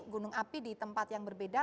gunung api di tempat yang berbeda